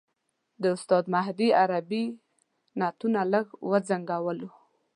د استاد مهدي عربي نعتونو لږ وځنګولو.